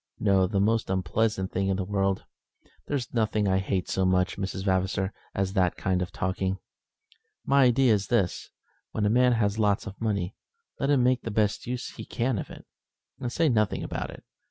"No, the most unpleasant thing in the world. There's nothing I hate so much, Miss Vavasor, as that kind of talking. My idea is this, when a man has lots of money, let him make the best use he can of it, and say nothing about it.